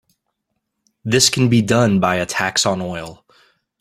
This can be done by a tax on oil.